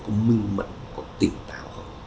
có minh mận có tỉnh tạo không